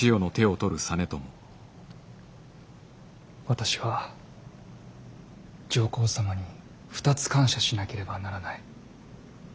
私は上皇様に２つ感謝しなければならない。